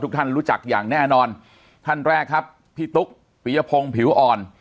ท่านรู้จักอย่างแน่นอนท่านแรกครับพี่ตุ๊กปียพงศ์ผิวอ่อน